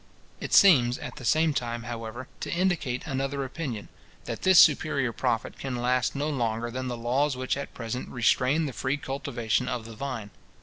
It seems, at the same time, however, to indicate another opinion, that this superior profit can last no longer than the laws which at present restrain the free cultivation of the vine.